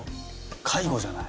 介護じゃない？